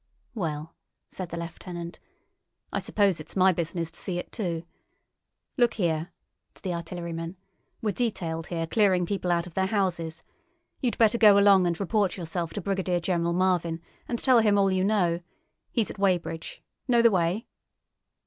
"Well," said the lieutenant, "I suppose it's my business to see it too. Look here"—to the artilleryman—"we're detailed here clearing people out of their houses. You'd better go along and report yourself to Brigadier General Marvin, and tell him all you know. He's at Weybridge. Know the way?"